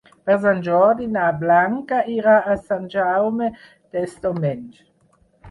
Per Sant Jordi na Blanca irà a Sant Jaume dels Domenys.